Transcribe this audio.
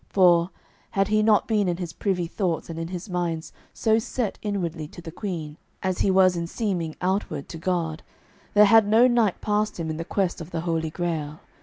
For, had he not been in his privy thoughts and in his mind so set inwardly to the Queen, as he was in seeming outward to God, there had no knight passed him in the quest of the Holy Grail.